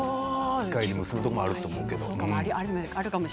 機械で結ぶところもあると思うけど。